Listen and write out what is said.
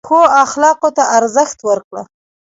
ښو اخلاقو ته ارزښت ورکړه.